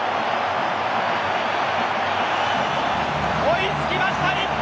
追いつきました日本！